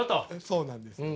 そうなんですよ。